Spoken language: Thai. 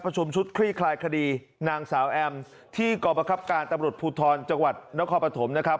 ชุดคลี่คลายคดีนางสาวแอมที่กรประคับการตำรวจภูทรจังหวัดนครปฐมนะครับ